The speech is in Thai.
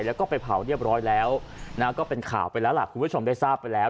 แล้วก็ไปเผาเรียบร้อยแล้วนะก็เป็นข่าวไปแล้วล่ะคุณผู้ชมได้ทราบไปแล้ว